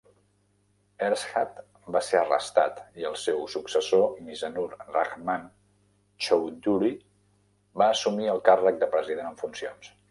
Ershad va ser arrestat i el seu successor, Mizanur Rahman Chowdhury, va assumir el càrrec de president en funcions.